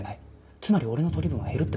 つまり俺の取り分は減るってこと